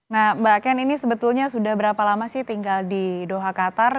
nah mbak ken ini sebetulnya sudah berapa lama sih tinggal di doha qatar